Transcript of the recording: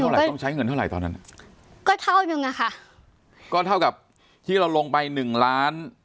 ต้องใช้เงินเท่าไหร่ตอนนั้นอ่ะก็เท่านึงอะค่ะก็เท่ากับที่เราลงไปหนึ่งล้าน